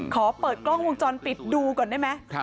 ขอเปิดกล้องวงจรปิดดูก่อนได้ไหม